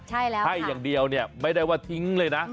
ใช่แล้วให้อย่างเดียวเนี่ยไม่ได้ว่าทิ้งเลยนะ